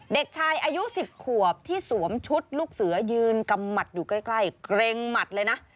เด็กชายอายุ๑๐ขวบที่สวมชุดลูกเสือยืนกำหมัดอยู่ใกล้เกรงหมัดเลยนะ